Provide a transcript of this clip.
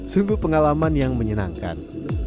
sungguh pengalaman yang menyenangkan